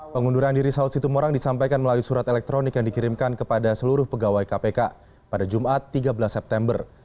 pengunduran diri saud situmorang disampaikan melalui surat elektronik yang dikirimkan kepada seluruh pegawai kpk pada jumat tiga belas september